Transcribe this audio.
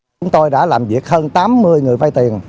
chúng tôi đã làm việc hơn tám mươi người vay tiền